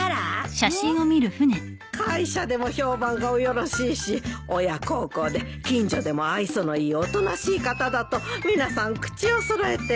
会社でも評判がおよろしいし親孝行で近所でも愛想のいいおとなしい方だと皆さん口を揃えて。